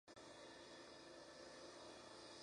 Existencia de mercados dedicados a ello en la localidad